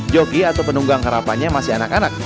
jogi atau penunggang karapannya masih anak anak